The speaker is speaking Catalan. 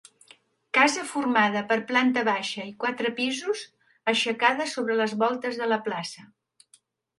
Casa formada per planta baixa i quatre pisos, aixecada sobre les voltes de la plaça.